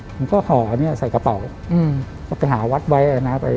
ผมก็ขอใส่กระเป๋าไปหาวัดไว้